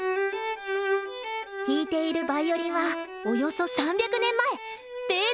弾いているヴァイオリンはおよそ３００年前べー